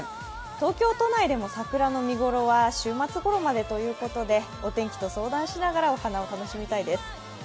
東京都内でも桜の見頃は週末頃までということでお天気と相談しながらお花を楽しみたいです。